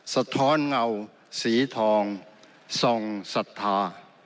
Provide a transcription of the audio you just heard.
สะท้อนเงาสีทองทรงศรัทธา